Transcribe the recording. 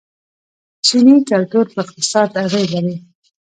چیني کلتور په اقتصاد اغیز لري.